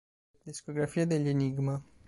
Discografia degli Enigma